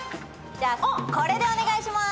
じゃ、これでお願いします。